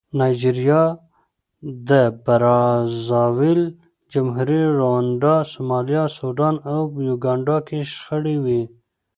نایجریا، د برازاویل جمهوریت، رونډا، سومالیا، سوډان او یوګانډا کې شخړې وې.